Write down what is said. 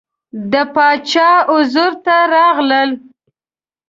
د باچا حضور ته راغلل.